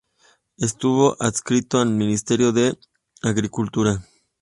Estuvo adscrito al Ministerio de Agricultura.